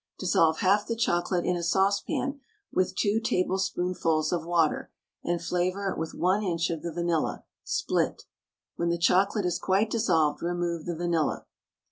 Dissolve half the chocolate in a saucepan with 2 tablespoonfuls of water, and flavour it with 1 inch of the vanilla, split; when the chocolate is quite dissolved remove the vanilla.